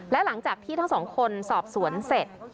และหลังจากที่ทั้งสองคนสอบสวนเสร็จ